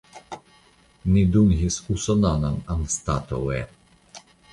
Ni dungis usonanon anstataŭe.